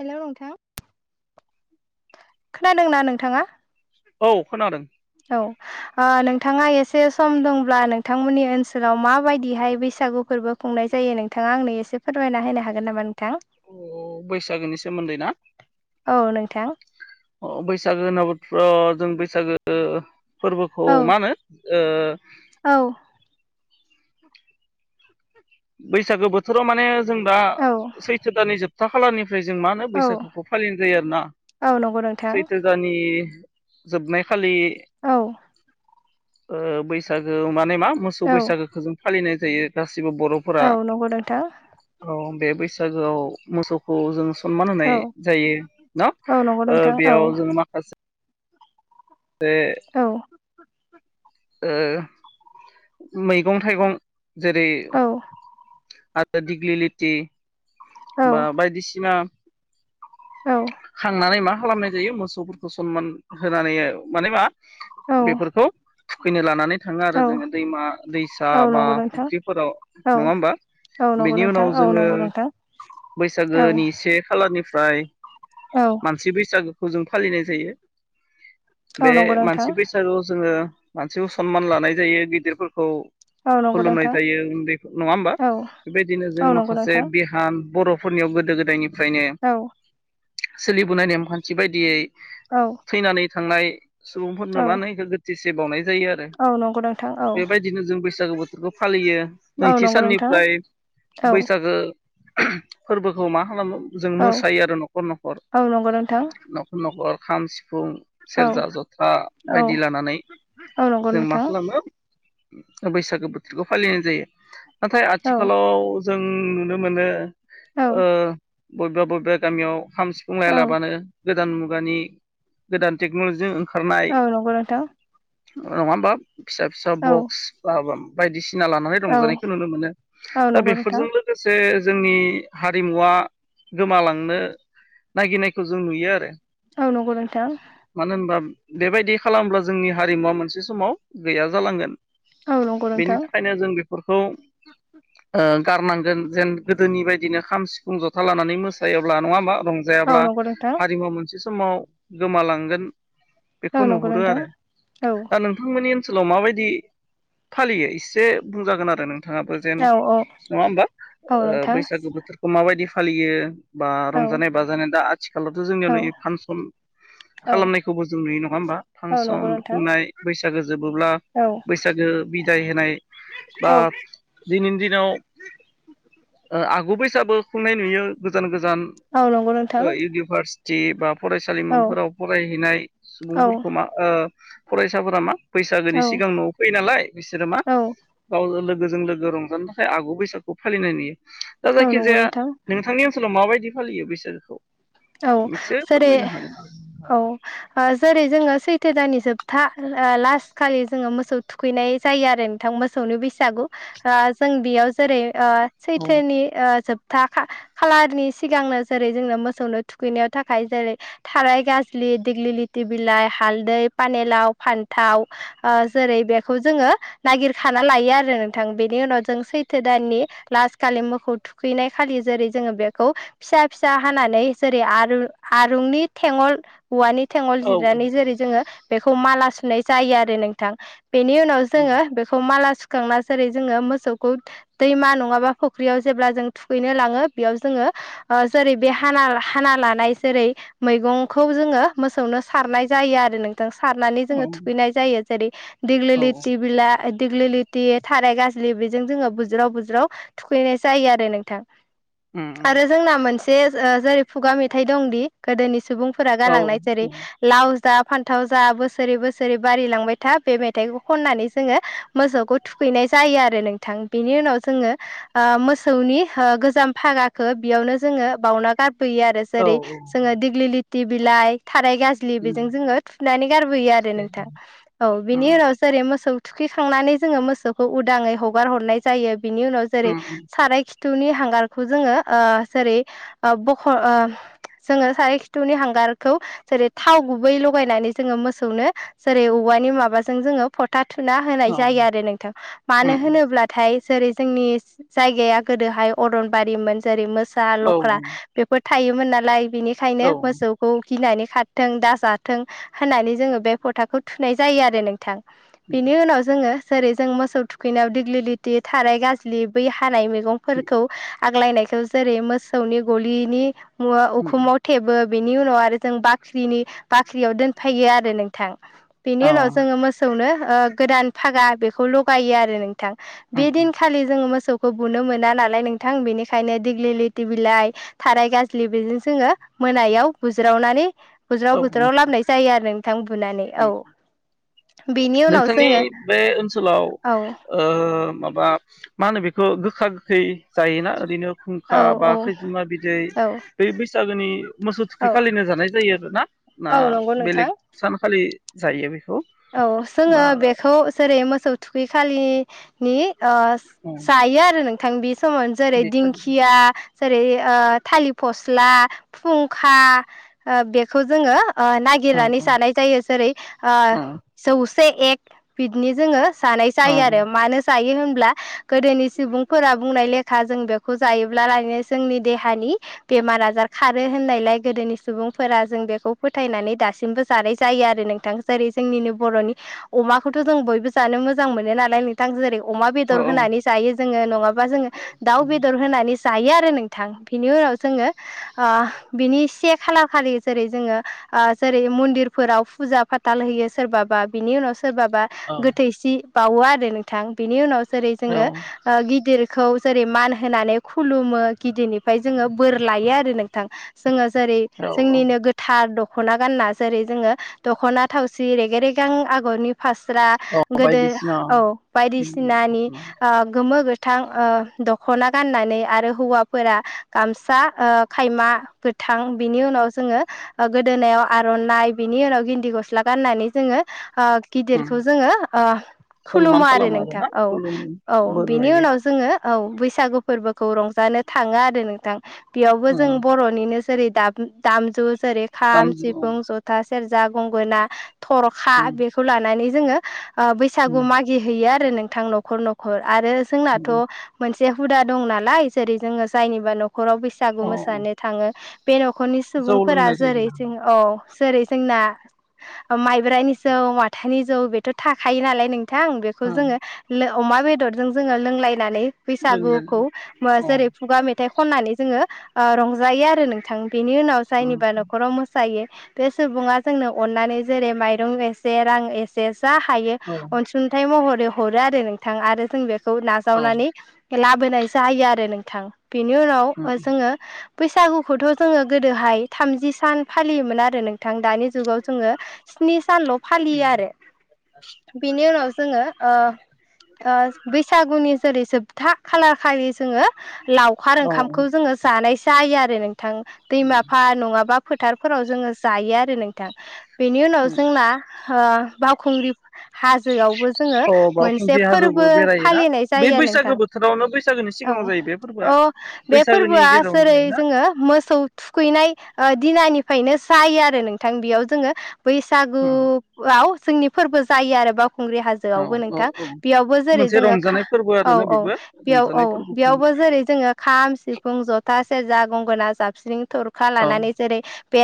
Hello नोंथां खोनादोंना नोंथाङा? औ खोनादों औ नोंथाङा एसे सम दंब्ला नोंथांमोननि ओनसोलाव माबायदिहाय बै सागु फोरबो खुंनाय जायो नोंथाङा आंनो एसे फोरमायना होनो हागोन नामा नोंथां अ बैसागोनि सोमोन्दै ना औ नोंथां अ बैसागो होनोबा थ्र' जों बैसागो फोरबोखौ औ मा होनो ओ औ बैसागो बोथोराव माने जों दा सैथो दानानि जोबथा खालारनि फ्राय जों मा होनो औ बैसागोखौ फालिनाय जायो आरोना औ नंगौ नोंथां सैथो दाननि। जोबनाय खालि औ बैसागो माने मा मोसौ औ बैसागोखौ जों फालिनाय जायो गासिबो बर' फोरा औ नंगौ नोंथां बे बैसागोआव मोसौखौ जों सनमान होनाय औ जायो ना औ नंगौ नोंथां औ बेयाव जोङो माखासे [unintelligible] [inaudible] ओ मैगं थाइगं जेरै औ [unintelligible] दिग्लिलिथि बा बायदिसिना औ खांनानै मा खालामनाय जायो मोसौफोरखौ सनमान होनानै माने मा औ बेफोरखौ थुखैनो लानानै थाङो आरो जोङो दैमा दैसा औ बा नंगौ नोंथां फुख्रिफोराव औ नङा होमबा। औ नंगौ बेनि नोंथां उनाव औ जोङो नंगौ नोंथां औ बैसागोनि से खालार। निफ्राय औ मानसि बैसागोखौ जों फालिनाय जायो औ बे नंगौ नोंथां मानसि बैसागु जोङो मानसिखौ सनमान लानाय जायो गिदिरफोरखौ औ नंगौ खुलुमनाय नोंथां जायो उन्दै नङा होमबा औ बेबायदिनो जों औ नंगौ माखासे नोंथां बिहाल। बर'फोरनियाव गोदो गोदायनिफ्रायनो औ सोलिबोनाय नेमखान्थि बायदियै। औ थैनानै थांनाय सुबुंफोरनो औ मा होनो इखौ गोथैसि बावनाय जायो आरो। औ नंगौ नोंथां औ बेबायदिनो जों बैसागो बोथोरखौ फालियो औ नैथि नंगौ नोंथां साननिफ्राय। औ बैसागो फोरबोखौ मा खालामो। जों औ मोसायो आरो न'खर न'खर औ नंगौ नोंथां न'खर न'खर खाम, सिफुं फुं औ सेरजा जथा औ बायदि लानानै। औ नंगौ जों मा नोंथां। खालामो बैसागो बोथोरखौ फालिनाय जायो नाथाय औ आथिखालाव जों नुनो मोनो औ बबबा बबबा गामियाव। खाम, सिफुं लाया औ लाबानो गोदान मुगानि गोदान टेक्न'लजिजों। ओंखारनाय औ नंगौ नोंथां। नङा होमबा? फिसा फिसा औ बक्स बा बायदिसिना लानानै औ रंजानायखौ नुनो मोनो औ दा नंगौ नोंथां बेफोरजो। इसे जोंनि हारिमुवा गोमालांनो नागिरनायखौ जों नुयो आरो। औ नंगौ नोंथां। मानो होनबा बेबायदि खालामब्ला जोंनि हारिमुवा मोनसे समाव गैया जालांगोन। औ नंगौ बेनि नोंथां थाखायनो जों बेफोरखौ गारनांगोन जेन गोदोनि बायदिनो खाम सिफुं जथा लानानै मोसायोब्ला नङा होमबा? औ रंजायाब्ला नंगौ नोंथां हारिमु मोनसे समाव गोमालांगोन औ बेखौ नंगौ नुहुरो नोंथां आरो। औ दा नोंथांमोननि ओनसोलाव माबायदि फालियो एसे बुंजागोन आरो नों थाङाबो जेन औ औ नङा होमबा औ नोंथां बैसागो बोथोरखौ माबायदि फालियो। बा औ रंजानाय बाजानाय दा आ थिखालावथ' जोंनियाव औ नै फांसन औ खालामनायखौबो जों नुयो नङा होमबा औ नंगौ फांसन नोंथां खुंनाय बैसागो जोबोब्ला औ बैसागो बिदाय होनाय। दा औ दिनैनि दिनाव। आगु बैसाबो खुंनाय नुयो गोजान गोजान औ नंगौ नोंथां इउनिभार्स सिटि औ बाफरायसालिमाफोराव फरायहैनाय औ सुबुंफोरखौ मा फरायसाफोरा मा बैसागोनि सिगां औ न'आव फैयो नालाय बिसोरो मा गाव लो गोजों लोगो रंजानो थाखाय आगु बैसागु फालिनाय नुयो दा औ नंगौ जायखिजाया नोंथां नोंथांनि ओनसोलाव मा बायदि फालियो बेसो। औ जेरै आरो औ जेरै जोङो सैथो दाननि। जोबथा लास्ट खालि जोङो मोसौ थुखैनाय जायो आरो नोंथां मोसौनि बैसागु। जों बेयाव जेरै सैथोनि जोबथा खालारनि सिगांनो जेरै जोंनो मोसौनो। थुखैनायाव थाखाय जेरै थाराय गाज्लि दिग्लिलिथि बिलाइ हालदै पानि लाव फान थाव जेरै बेखौ जोङो नागिरखाना लायो आरो नोंथां बेनि उनाव जों सैथो दान नि लास्ट खालि मोखौौ थुखैनाय खालि जेरै जोङो बेखौ फिसा फिसा हानानै। जेरै आरु आरुंनि थेंगल औवानि थेंगल औ जिरनानै जेरै जोङो। बेखौ माला सुनाय जायो आरो नोंथां बेनि उनाव जोङो बेखौ माला। सुखांना जेरै जोङो मोसौखौ दैमा नङाबा फुख्रियाव जेब्ला जों थुखैनो लाङो बेयाव जोङो। जेरै बे हाना हाना लानाय जेरै मैगंखौ जोङो मोसौनो सारनाय जायो आरो नों थां सारनानै जोङो थुखैनाय जायो जेरै औ दिग्लिलिथि बिलाइ दिग्लिलिथि थाराय गाज्लि बेजों जोङो बुज्राव बुज्राव थुखैनाय जायो आरो नोंथां। आरो जोंना मोनसे जेरै खुगा मेथाइ दंदि गोदोनि सुबुंफोरा औ गालांनाय जेरै लाव जा फान्थाव जा बोसोरै बोसोरै बारिलांबाय था बे मेथाइखौ खननानै जोङो मोसौखौ थुखैनाय जायो आ रो नोंथां बेनि उनाव जोङो मोसौनि गोजाम फागाखौ बेयावनो जोङो बावना गार फैयो आरो औ जेरै जोङो दिग्लिलिथि बिलाइ थाराय गाज्लि बेजों जोङो थुनानै गारबोयो आरो दे नोंथां औ बेनि उनाव जेरै मोसौ थुखैखांनानै जोङो मोसौखौ उदाङै हगार हरनाय जायो बिनि उनाव जेरै साराय खि थुनि हांगारखौ जोङो जेरै बख' जोङो साराय खिथुनि हांगारखौ जेरै थाव गुबै लगायनानै जोङो मोसौनो जेरै औवानि माबाजों जोङो फोथा थुना होनाय जायो आरो नोंथां औ मानो होनोब्लाथाय जेरै जोंनि जायगाया गोदोहाय अरनबारिमोन जेरै मोसा औ लख्रा बो थायोमोन नालाय बेनिखायनो मोसौखौ गिनानै खारथों दाजाथों होननानै जोङो बे फथाखौ थुनाय जायो आरो नोंथां। बेनि उनाव जोङो जेरै जों मोसौ थुखैनायाव दिग्लिलिथि थाराय गाज्लि बै हानाय मैगंफोरखौ आग्लायनायखौ जेरै मोसौनि गलिनि मु उखुमाव थेबो। बेनि उनाव आरो जों बाख्रिनि बाख्रियाव दोनफैयो आरो नोंथां। बेनि उनाव जोङो मोसौनो गोदान फागा बेखौ लगायो आरो नों थां बे दिनखालि जोङो मोसौखौ बुनो मोना नालाय नोंथां बेनिखायनो दिग्लिलिथि बिलाइ थाराय गाज्लि बेजों जोङो मोनायाव बुज्रावनानै औ बज्राव बोथ्राव लामनाय जायो आरो नोंथां बुनानै औ। बेनि उनाव नोंथांनि जोङो बे ओनसोलाव औ ओ बा मा होनो बेखौ गोखा गोखै जायोना ओरैनो खुंखा बा औ खैजोमा बिदै औ बै बैसागोनि मोसौ औ थुखै खालिनो जानाय जायो आरोना? ना औ नंगौ बेलेग नोंथां सानखालि जायो बे? औ जोङो बेखौ जेरै मोसौ थुखै खालिनि अ औ जायो आरो नोंथां बे समावनो जेरै बेखालि दिंखिया जेरै थालिर फास्ला खुंखा बेखौ जोङो औ नागिरनानै औ जानाय जायो जेरै औ जौसे एक बिदनो जोङो जानाय औ जायो आरो मानो जायो होनब्ला गोदोनि सुबुंफोरा बुंनाय लेखा जों बेखौ जायोब्लानो जोंनि देहानि बेमार आजार खारो होननायलाय गोदोनि सुबुं फोरा जों बेखौ फोथायनानै दासिमबो जानाय जायो आरो नोंथां जेरै जोंनिनो बर'नि अमाखौथ' जों बयबो जानो मोजां मोनो नालाय नोंथां जेरै अमा औ बेदर होनानै जायो जोङो नङाबा जोङो दाउ बेदर होनानै जायो आरो नोंथां बिनि उनाव जोङो बिनि से खालार खालि जेरै जोङो जेरै मन्दिरफोराव फुजा फाथाल होयो। सोरबाबा बिनि उनाव सोरबाबा औ गोथैसि बावो आरो नोंथां बिनि उनाव जेरै जोङो औ गिदिर खौ जेरै मान होनानै खुलुमो गिदिरनिफ्राय जोङो बोर लायो आरो नोंथां। जोङो जेरै औ जोंनिनो गोथार दख'ना गानना जेरै जोङो दख'ना थावसि सि रेग रेगां आगरनि फास्रा औ गोदो बायदिसिना औ उम बायदिसिनानि गोमो गोथां गोथां दख'ना गाननानै आरो हौवाफोरा गामसा खायमा थां बिनि उनाव जोङो गोदोनायाव आर'नाइ बिनि उनाव गिन्न्दि गस्ला गाननानै जोङो उम गिदिरखौ जोङो सनमान खुलुमो आरो खालामो नोंथां आरोना औ खुलुमो औ बोर बेनि लायो उनाव जोङो औ बैसागो फोरबोखौ रंजानो थाङो आरो नोंथां बेयावबो जों उम बर'निनो जेरै दामजु जेरै खाम दामजु सिफुं जथा सेरजा गंगोना थर'खा उम बेखौ लानानै जोङो ओ बैसागो उम मागि हैैयो आरो नोंथां न'खर न'खर। आरो जोंनाथ' मोनसे हुदा दं नालाय जेरै जोङो जायनिबा न'खर न'खराव बैसागो अ मोसानो थाङो बे न'खरनि जौ सुबुंफोरा लोंनाय जेरै जायोना जों औ जेरै जोंना माइब्रानि जौ माथानि जौ बेथ' थाखायो नालाय नों बिथां बेखौ औ जोङो अमा बेदरजों जोङो लोंलायनानै बैसागोखौ लोंनो अ जेरै खुगा मेथाइ खननानै जोङो ओ रंजायो आरो नोंथां। बेनि उनाव उम जायनिबा न'खराव मोसायो बे सुबुङा जोंनो अननानै जेरै माइरं एसे रां एसे जा हायो औ अनसुंथाइ महर हरो आरो नोंथां आरो जों बेखौ औ नाजावनानै लाबोनाय जायो आरो नोंथां। बेनि उनाव उम ओ जोङो बैसागोखौथ' जोङो गोदोहाय थामजि सान फालियोमोन आरो नोंथां दानि जुगाव जोङो स्नि सानल' फालियो उम आरो। बिनि उनाव जोङो ओ बैसागोनि जेरै जोबथा खालार खालि जोङो लावखार औ ओंखामखौ उम जोङो जानायसो जायो आरो नों नोंथां दैमाफा नङाबा फोथारफोराव जोङो जायो आरो नोंथां। बेनि उनाव जोंना ओ बावखुंग्रि हाजोआव बो जोङो अ मोनसे बावखुंग्रि फोरबो हाजोआवबो बेरायोना फालिनाय बे जायो आरो बैसागो नोंथां बोथोरावनो बैसागोनि सिगाङाव औ जायो बे फोरबोआ अ बे बैसागोनि फोरबोआ गेजेरावनो जेरै जायोना जोङो मोसौ थुखैनाय दिननिफ्रायनो सायो आरो नोंथां बेयाव जोङो उम बैसागुआव जोंनि फोरबो जायो आरो बाव खुंग्रि औ हाजोआवबो औ नोंथां औ बेयावबो जेरै मोनसे जोङो रंजानाय फोरबो औ आरोना औ बेबो बेयाव औ रंजानाय फोरबो बेयावबो खुंनाय जेरै जोङो खाम सिफुं जथा सेरजा गंगोना जाबखिं बिसिं थरखा औ लानानै जेरै बे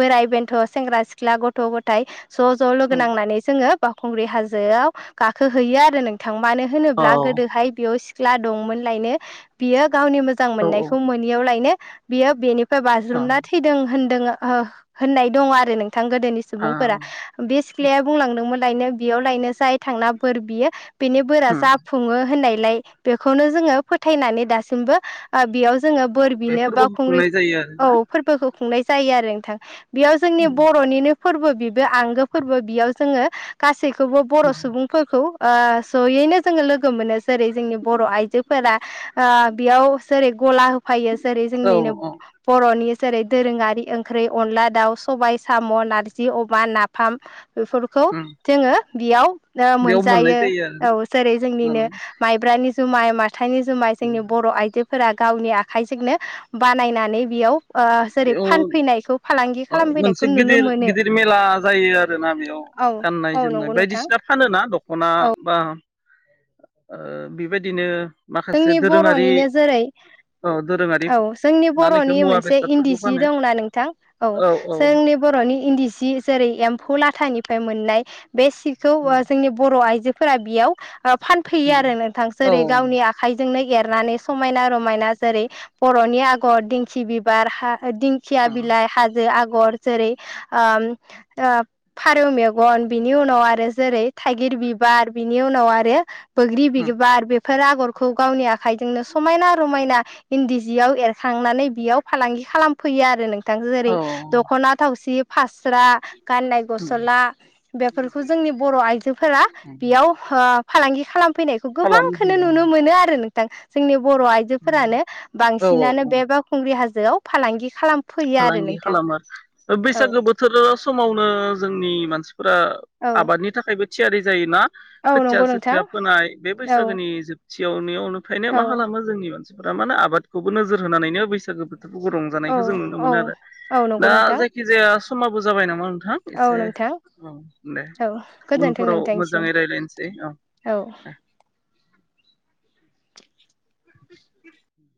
बोराइ बेन्थ' सेंग्रा सिख्ला गथ' गथाय ज' ज' लोगो उम नांनानै जोङो बावखुंग्रि हाजोआव गाखोहैयो आरो नोंथां। मानो औ होनोब्ला गोदोहाय बेयाव सिख्ला दंमोनलायनो बियो गावनि मोजां औ मोननायखौ मोनैयाव लायनो बियो बेनिफ्राय ओं बाज्रुमना थैदों होन होननाय दङ आरो नोंथां गोदोनि आ सुबुंफोरा बे सिख्लाया बुंलांदोंमोन लायनो बेयाव लायनो जाय थांना बोर बियो बेनि बोरा उम जाफुङो होननाय बेखौनो जोङो फोथायनानै दासिमबो ओ बेयाव जोङो बोर बे बिनो फोरबोखौ बावखुंग्रि खुंनाय जायो औ आरोना फोरबोखौ खुंनाय जायो आरो नोंथां बेयाव जोंनि उम बर'निनो फोरबो बेबो आंगो फोरबो बेयाव जोङो गासै खौबो बर' उम सुबुंफोरखौ ओ जयैनो जोङो लोगो मोनो जेरै जोंनि बर' आइजोफोरा ओ बेयाव जेरै गला होफायो जेरै औ जोंनिनो औ बर'नि जेरै दोरोङारि ओंख्रि अनला दाउ सबाय साम' नारजि अमा नाफाम बेफोरखौ उम जोङो बेयाव बेयाव मोननाय मोनजायो जायो आरोना औ जेरै जोंनिनो नालाय माइब्रानि जुमाइ मा- थानि जुमाय जोंनि बर' आइजोफोरा गावनि आखाइजोंनो बानायनानै बेयाव ओ जेरै बेयाव फानफैनायखौ फालांगि मोनसे खालामफैनायखौ नुनो गिदिर मोनो गिदिर मेला जायो आरोना बेयाव औ गाननाय औ जोमनाय नंगौ नोंथां बायदिसिना फानोना? दख'ना बा बेबायदिनो माखासे जोंनि दोरोङारि बर'निनो जेरै औ दोरोङारि औ जोंनि मा होनो इखो बर'नि मुवा मोनसे इन्दि बेसादफोरखौ सि फानो दंना नोंथां औ जोंनि बर' बर'नि इन्दि सि जेरै एम्फौ लाथानिफ्राय मोननाय बे सिखौ उम जोंनि बर' आइजोफोरा बेयाव ओ फानफैयो उम आरो नोंथां औ जेरै उम गावनि आखाय जोंनो गेरनानै समायना रमायना जेरै बर'नि आगर दिंखि बिबार हा दिंखिया बिलाइ हाजो आग गर जेरै ओ ओ फारौ मेगन बिनि उनाव आरो जेरै थाइगिर बिबार बिनि उनाव आरो बैग्रि उम बिबार बेफोर आगर फोरखौ गावनि आखाइजोंनो समायना रमायना इन्दि जियाव एरखांनानै बेयाव फालांगि खालामफैयो। बिदि आरो नोंथां औ जेरै दख'ना थावसि फास्रा गाननाय उम गस्ला बेफोरखौ जोंनि बर' आइजोफोरा उम बेयाव ओ फालांगि खालामफैनायखौ गोबांखौनो खालामहैयो नुनो मोनो आरो नोंथां जोंनि बर' उम आइजोफोरानो औ औ बांसिनानो औ बे बावखुंग्रि हाजोआव फालांगि खालाम फालांगि खालामो बैसागो बोथोर समावनो जोंनि मानसि फोरा औ आबादनि थाखायबो थियारि जायोना औ खोथिया नंगौ नोंथां सोथिया फोनाय बे औ बैसागोनि जोबथियावनोफ्रायनो मा औ खालामो जोंनि मानसि फोरा मानोे आबादखौबो नोजोर होनानैनो बैसागो बोथोरफोरखौ औ रंजानायखौ जों नुनो औ मोनो आरो औ नंगौ दा नोंथां जायखिजाया समाबो जाबाय नामा नों- थां औ एसे नोंथां औ दे औ गोजोन्थों उनफोराव नोंथांनिसिम मोजाङै रायलायनोसै औ। औ [inaudible] [inaudible]